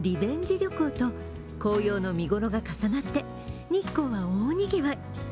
旅行と紅葉の見頃が重なって、日光は大にぎわい。